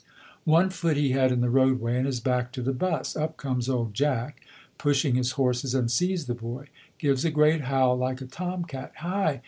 One foot he had in the roadway, and his back to the 'bus. Up comes old Jack, pushing his horses, and sees the boy. Gives a great howl like a tom cat. 'Hi!